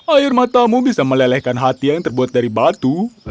air matamu bisa melelehkan hati yang terbuat dari batu